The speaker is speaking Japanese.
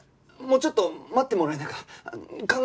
もうちょっと待ってもらえないかな。